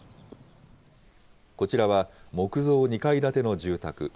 こちらは木造２階建ての住宅。